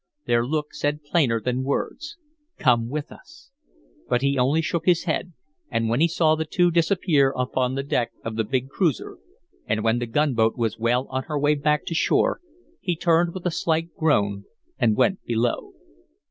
Their look said plainer than words, "Come with us!" But he only shook his head; and when he saw the two disappear upon the deck of the big cruiser, and when the gunboat was well on her way back to shore he turned with a slight groan and went below.